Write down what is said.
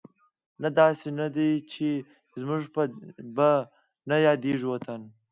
نه، داسې نه ده چې زموږ به نه یادېږي وطن